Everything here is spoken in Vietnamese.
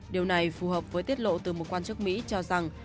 điều này phù hợp với tiết lộ từ một quan chức mỹ cho rằng